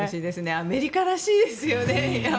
アメリカらしいですよね。